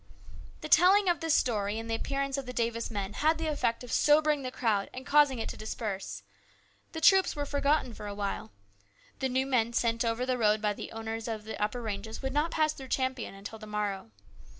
The telling of this story and the appearance of the Davis men had the effect of sobering the crowd and causing it to disperse. The troops were forgotten for a while. The new men sent over the road by the owners of the upper ranges would not pass through Champion until the morrow.